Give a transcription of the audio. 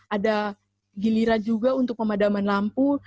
ada giliran juga untuk pemadaman lampu